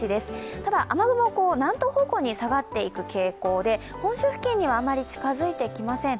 ただ、雨雲は南東方向に下がっていく傾向で本州付近にはあまり近付いてきません。